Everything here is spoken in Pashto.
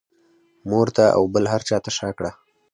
مور ته او بل هر چا ته شا کړه.